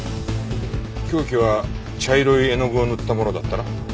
凶器は茶色い絵の具を塗ったものだったな？